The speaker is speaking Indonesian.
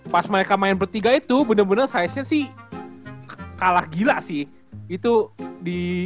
pas mereka main bertiga itu bener bener sizenya sih kalah gila sih itu di